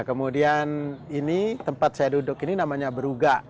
kemudian tempat saya duduk ini namanya berugak